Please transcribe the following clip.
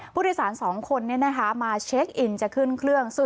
ผู้โดยสาร๒คนมาเช็คอินจะขึ้นเครื่อง